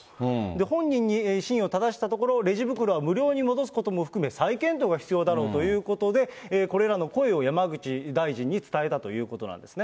本人に真意をただしたところ、レジ袋は無料に戻すことも含め、再検討が必要だろうということで、これらの声を山口大臣に伝えたということなんですね。